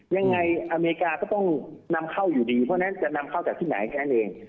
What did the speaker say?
ยังไงอเมริกาก็ต้องนำเข้าอยู่ดีเพราะฉะนั้นจะนำเข้าจากที่ไหนแค่นั้นเอง